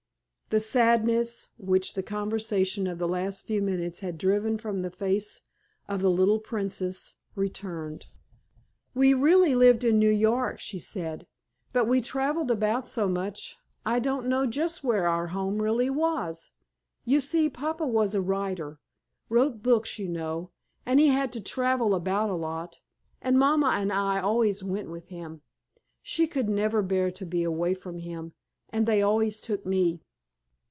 The sadness which the conversation of the last few minutes had driven from the face of the little "Princess" returned. "We really lived in New York," she said. "But we traveled about so much I don't know just where our home really was. You see Papa was a writer—wrote books, you know, and he had to travel about a lot, and Mama and I always went with him. She could never bear to be away from him, and they always took me.